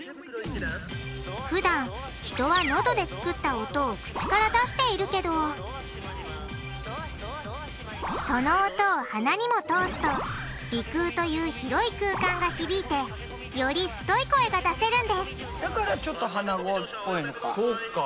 ふだん人はノドで作った音を口から出しているけどその音を鼻にも通すと鼻腔という広い空間が響いてより太い声が出せるんですだからちょっと鼻声っぽいのか。